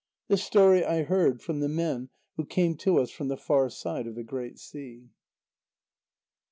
This story I heard from the men who came to us from the far side of the great sea.